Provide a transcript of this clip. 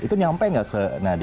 itu nyampe nggak ke nadie